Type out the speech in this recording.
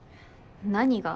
何が？